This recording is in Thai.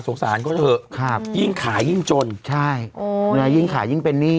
สงสารก็เถอะครับยิ่งขายยิ่งจนใช่โอ้ยเนี้ยยิ่งขายยิ่งเป็นนี่